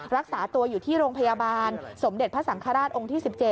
รักษาตัวอยู่ที่โรงพยาบาลสมเด็จพระสังฆราชองค์ที่๑๗